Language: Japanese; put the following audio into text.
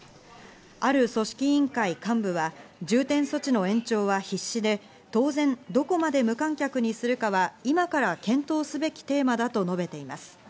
ある組織委員会幹部は重点措置の延長は必至で、当然どこまで無観客にするかは今から検討すべきテーマだと述べています。